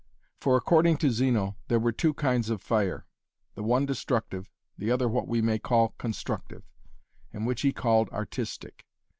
For according to Zeno, there were two kinds of fire, the one destructive, the other what we may call 'constructive,' and which he called 'artistic'.